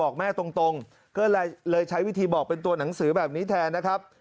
แม่ตรงก็เลยใช้วิธีบอกเป็นตัวหนังสือแบบนี้แทนนะครับ